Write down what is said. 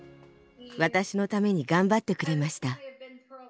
私のために頑張ってくれました。